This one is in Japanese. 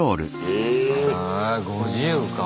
え５０か。